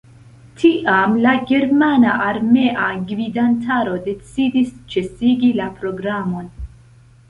Tiam la germana armea gvidantaro decidis ĉesigi la programon.